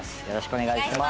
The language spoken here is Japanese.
お願いします。